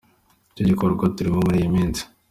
Nicyo gikorwa turimo muri iyi minsi.